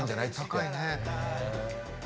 高いね。